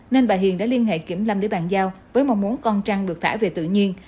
nên bà hiền đã liên hệ kiểm lâm để bàn giao với mong muốn con trăng được thả về tự nhiên